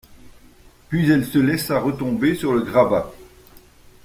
Puis elle se laissa retomber sur le grabat.